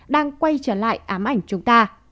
đang quay trở lại ám ảnh chúng ta